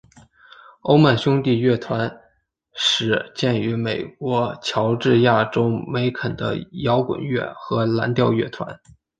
欧曼兄弟乐团始建于美国乔治亚州梅肯的摇滚乐和蓝调乐团。